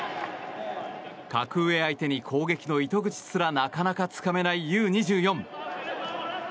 格上相手に攻撃の糸口すらなかなかつかめないＵ‐２４。